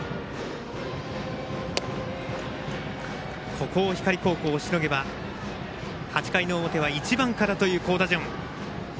ここを光高校、しのげば８回の表は１番からという好打順。